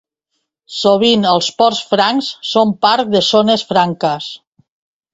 Sovint els ports francs són part de zones franques.